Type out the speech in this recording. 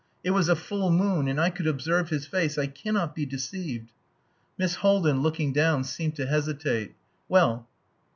It was a full moon and I could observe his face. I cannot be deceived...." Miss Haldin, looking down, seemed to hesitate. "Well!